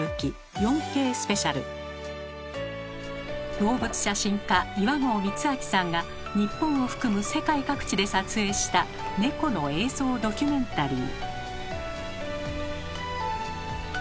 動物写真家岩合光昭さんが日本を含む世界各地で撮影したネコの映像ドキュメンタリー。